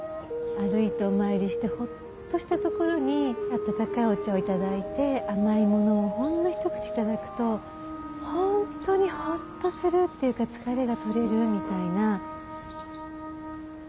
歩いてお参りしてホッとしたところに温かいお茶をいただいて甘いものをほんの一口いただくとホントにホッとするっていうか疲れが取れるみたいな。